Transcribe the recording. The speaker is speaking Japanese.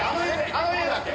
あの家だっけ？